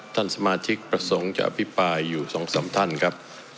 ท่านสมาชิกประสงค์จะอภิปรายอยู่๒๓ท่านครับ